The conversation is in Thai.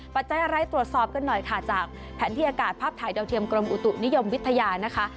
ปัจจัยอะไรตรวจสอบกันหน่อยค่ะจากแผนที่อากาศภาพถ่ายดาวเทียมกรมอุตุนิยมวิทยานะคะ